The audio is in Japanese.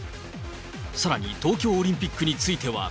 さらに、東京オリンピックについては。